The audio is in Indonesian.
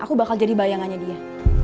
aku bakal jadi bayangannya dia